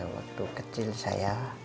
waktu kecil saya